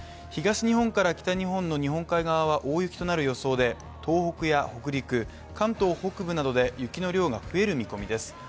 東日本から北日本の日本海側は大雪となる予想で東北や北陸、関東北部などで雪の量が増える見込みです。